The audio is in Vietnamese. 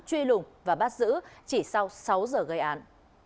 truy lùng và bắt giữ chỉ sau sáu giờ gây án